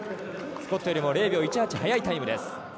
スコットよりも０秒１８速いタイムです。